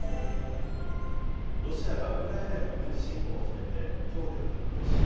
ロシアがウクライナへの軍事侵攻を始めてきょうで半年。